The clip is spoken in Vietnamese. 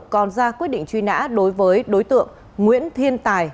còn ra quyết định truy nã đối với đối tượng nguyễn thiên tài